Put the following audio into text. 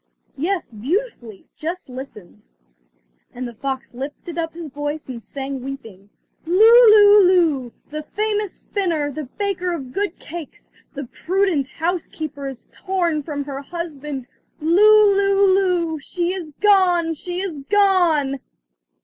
"Yes, beautifully, just listen," and the fox lifted up his voice and sang weeping: "Lou, lou, lou! the famous spinner, the baker of good cakes, the prudent housekeeper is torn from her husband! Lou, lou, lou! she is gone! she is gone!"